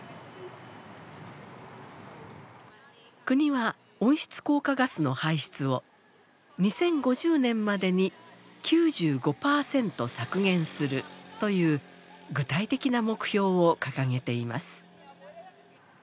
国は温室効果ガスの排出を２０５０年までに９５％削減するという具体的な目標を掲げています。